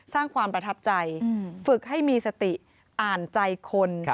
สร้างความประทับใจฝึกให้มีสติอ่านใจคน